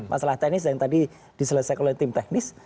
masalah teknis yang tadi diselesaikan oleh tim teknis